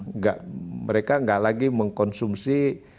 enggak mereka nggak lagi mengkonsumsi